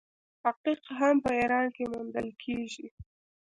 عقیق هم په ایران کې موندل کیږي.